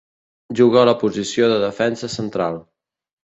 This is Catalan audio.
Juga a la posició de defensa central.